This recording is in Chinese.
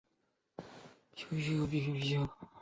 无符号数可以利用其所占有的所有位来表示较大的数。